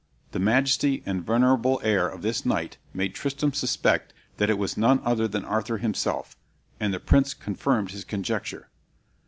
The majesty and venerable air of this knight made Tristram suspect that it was none other than Arthur himself, and the prince confirmed his conjecture.